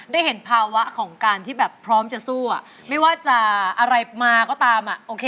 ได้เห็นภาวะของการที่แบบพร้อมจะสู้อ่ะไม่ว่าจะอะไรมาก็ตามอ่ะโอเค